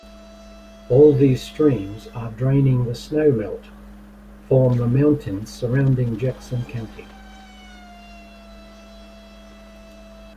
All these streams are draining the snow melt form the mountains surrounding Jackson County.